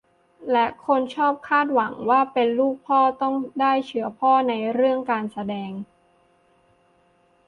และคนชอบคาดหวังว่าเป็นลูกพ่อต้องได้เชื้อพ่อในเรื่องการแสดง